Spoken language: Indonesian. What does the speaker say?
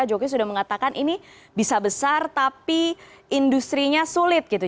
jokowi sudah mengatakan ini bisa besar tapi industri nya sulit gitu